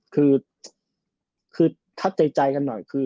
คือถัดใจกันหน่อย